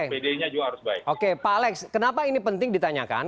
oke pak alex kenapa ini penting ditanyakan